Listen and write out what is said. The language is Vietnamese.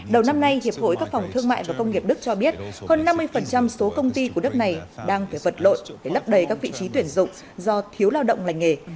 đầu năm nay hiệp hội các phòng thương mại và công nghiệp đức cho biết hơn năm mươi số công ty của đất này đang phải vật lộn để lấp đầy các vị trí tuyển dụng do thiếu lao động lành nghề